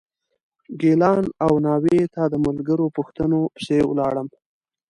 ګیلان او ناوې ته د ملګرو پوښتنو پسې ولاړم.